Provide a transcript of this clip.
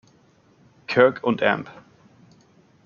Kirk &.